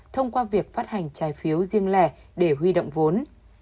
thông qua việc phát hành trái phiếu riêng lẻ để huy động vốn